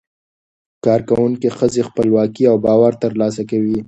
کارکوونکې ښځې خپلواکي او باور ترلاسه کوي.